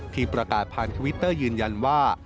ที่ประกาศผ่านทวิตเตอร์ยืนยันว่า